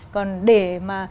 còn để mà